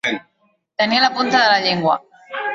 Tenir a la punta de la llengua.